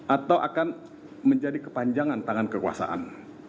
atau akan menjadi kepanjangan tangan kekuasaan